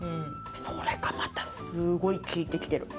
それがまたすごい効いて来てる。